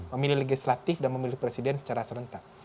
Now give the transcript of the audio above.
memilih legislatif dan memilih presiden secara serentak